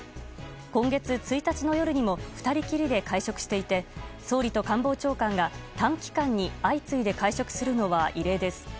今月１日の夜にも２人きりで会食していて総理と官房長官が短期間に相次いで会食するのは異例です。